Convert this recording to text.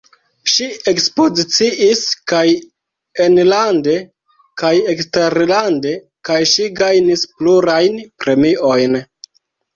Ŝi ekspoziciis kaj enlande kaj eksterlande, kaj ŝi gajnis plurajn premiojn.